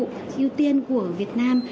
ưu tiên của việt nam